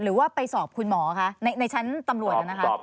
หรือว่าไปสอบคุณหมอคะในชั้นตำรวจนะคะ